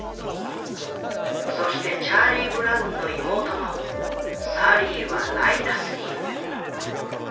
そしてチャーリー・ブラウンの妹のサリーはライナスに。